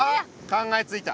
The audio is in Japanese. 考えついた。